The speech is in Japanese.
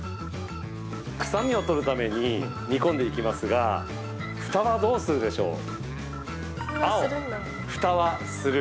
くさみを取るために煮込んでいきますがふたは、どうするでしょう？